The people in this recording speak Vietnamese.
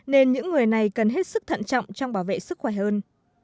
nên những người này cần hết sức thận trọng trong bảo vệ sức khỏe hơn